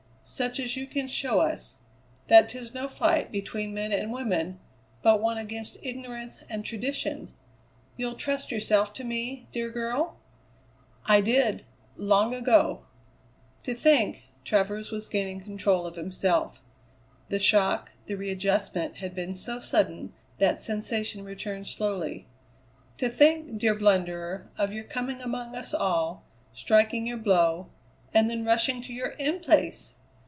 Such as you can show us that 'tis no fight between men and women, but one against ignorance and tradition. You'll trust yourself to me, dear girl?" [Illustration: "'It's past the Dreamer's Rock for us, my sweet, and out to the open sea'"] "I did long ago!" "To think" Travers was gaining control of himself; the shock, the readjustment, had been so sudden that sensation returned slowly "to think, dear blunderer, of your coming among us all, striking your blow, and then rushing to your In Place!